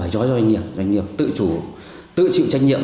doanh nghiệp tự chủ tự chịu trách nhiệm